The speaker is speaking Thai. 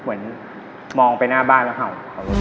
เหมือนมองไปหน้าบ้านแล้วเห่า